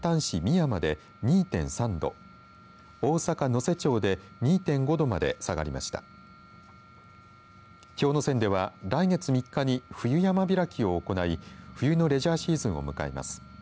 山では来月３日に冬山開きを行い冬のレジャーシーズンを迎えます。